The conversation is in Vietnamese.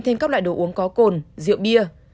thêm các loại đồ uống có cồn rượu bia